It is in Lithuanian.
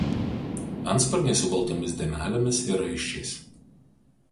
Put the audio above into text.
Antsparniai su baltomis dėmelėmis ir raiščiais.